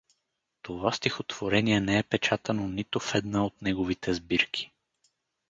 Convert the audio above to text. Това стихотворение не е печатано нито в една от неговите сбирки.